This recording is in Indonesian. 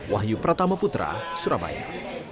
wahyu pratama putra surabaya